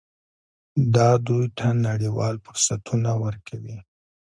دا دوی ته نړیوال فرصتونه ورکوي.